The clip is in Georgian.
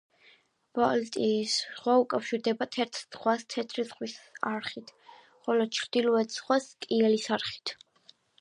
ბალტიის ზღვა უკავშირდება თეთრ ზღვას თეთრი ზღვის არხით, ხოლო ჩრდილოეთის ზღვას კიელის არხით.